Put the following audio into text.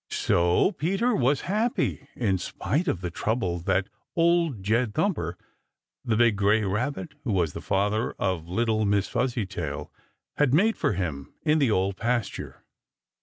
So Peter was happy in spite of the trouble that Old led Thumper, the big, gray Rabbit who was the father of little Miss Fuzzytail, had made for him in the Old Pasture.